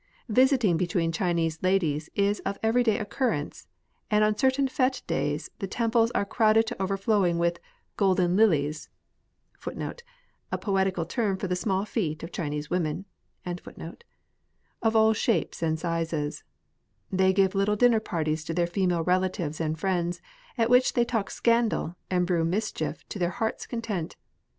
Visiting between Chinese ladies is of everyday occurrence, and on certain fete days the temples are crowded to overflowing with " golden lilies "^ of all shapes and sizes. They give little dinner parties to their female relatives and friends, at which they talk scandal, and brew mischief to their hearts' content.